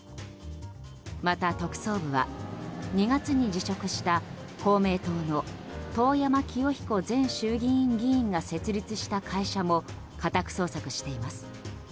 また、特捜部は２月に辞職した、公明党の遠山清彦前衆議院議員が設立した会社も家宅捜索しています。